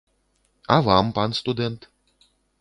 А вам, пан студэнт?